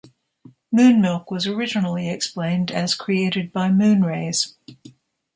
Moonmilk was originally explained as created by "moon rays".